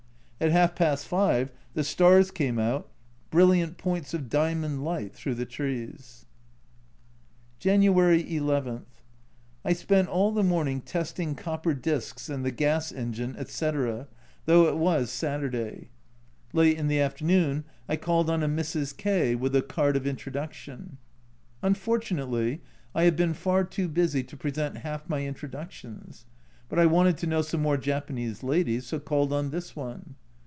At half past five the stars came out, brilliant points of diamond light through the trees. January n. I spent all the morning testing copper disks and the gas engine, etc., though it was 90 A Journal from Japan Saturday. Late in the afternoon I called on a Mrs. K with a card of introduction. Unfortunately, I have been far too busy to present half my intro ductions, but I wanted to know some more Japanese ladies, so called on this one.